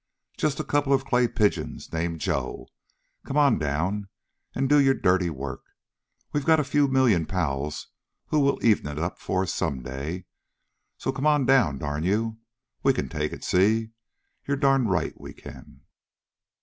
Just a couple of clay pigeons named Joe. Come on down and do your dirty work. We've got a few million pals who'll even it up for us some day. So come on down, darn you! We can take it, see? You're darn right we can!"